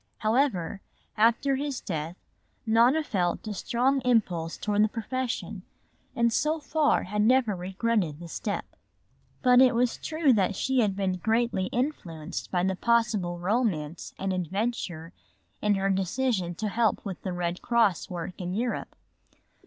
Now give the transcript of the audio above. However, after his death Nona had felt a strong impulse toward the profession and so far had never regretted the step. But it was true that she had been greatly influenced by the possible romance and adventure in her decision to help with the Red Cross work in Europe.